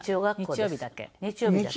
日曜日だけ。